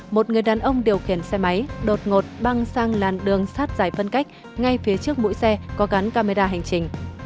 một người đàn ông điều khiển xe máy đột ngột băng sang làn đường sát giải phân cách ngay phía trước mũi xe có gắn camera hành trình